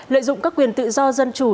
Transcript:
lợi dụng các quyền tự do dân chủ